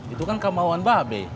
itu kan kemauan bape